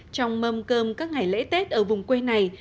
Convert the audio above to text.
trong mâm cơm các ngày lễ tết ở vùng quê này